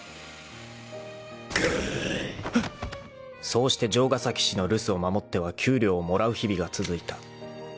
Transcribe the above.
［そうして城ヶ崎氏の留守を守っては給料をもらう日々が続いた］